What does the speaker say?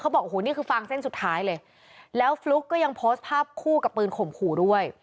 บอกโอ้โหนี่คือฟางเส้นสุดท้ายเลยแล้วฟลุ๊กก็ยังโพสต์ภาพคู่กับปืนข่มขู่ด้วย